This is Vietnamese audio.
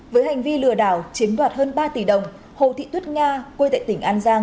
với hành vi lừa đảo chiếm đoạt hơn ba tỷ đồng hồ thị tuyết nga quê tại tỉnh an giang